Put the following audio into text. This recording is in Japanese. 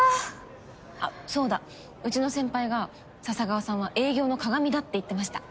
あっそうだうちの先輩が笹川さんは営業のかがみだって言ってました。